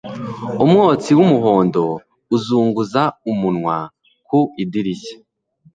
Umwotsi wumuhondo uzunguza umunwa ku idirishya